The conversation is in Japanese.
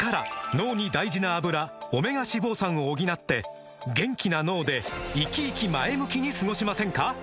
脳に大事な「アブラ」オメガ脂肪酸を補って元気な脳でイキイキ前向きに過ごしませんか？